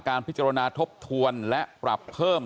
พิจารณาทบทวนและปรับเพิ่ม